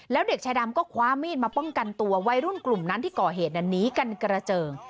แล้วเด็กชายดำก็คว้ามีดมาป้องกันตัววัยรุ่นกลุ่มนั้นที่ก่อเหตุหนีกันกระเจิง